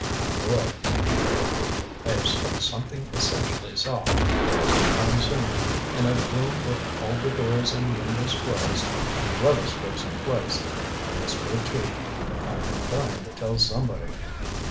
"My boy," he confided, "I have struck something essentially soft. Some time soon, in a room with all the doors and windows closed and the weather strips in place, I'll whisper it to you. I've been dying to tell somebody."